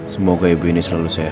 semoga ibu ini selalu sehat